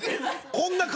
こんな顔？